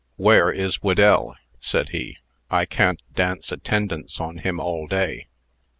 "Where is Whedell?" said he. "I can't dance attendance on him all day."